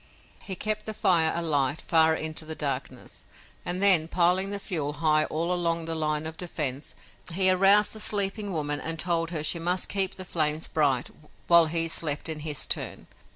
He kept the fire alight far into the darkness, and then, piling the fuel high all along the line of defense, he aroused the sleeping woman and told her she must keep the flames bright while he slept in his turn.